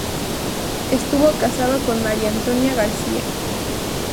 Estuvo casado con María Antonia García.